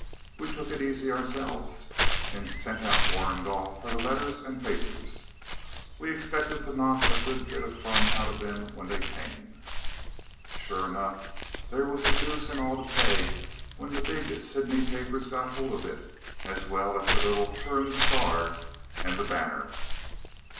We took it easy ourselves, and sent out Warrigal for the letters and papers. We expected to knock a good bit of fun out of them when they came. Sure enough, there was the deuce and all to pay when the big Sydney papers got hold of it, as well as the little 'Turon Star' and the 'Banner'.